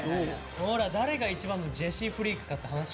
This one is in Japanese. これは誰が一番のジェシーフリークかって話よ。